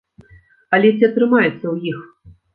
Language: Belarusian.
Але ці атрымаецца ў іх?